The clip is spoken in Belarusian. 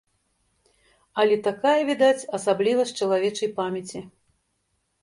Але такая, відаць, асаблівасць чалавечай памяці.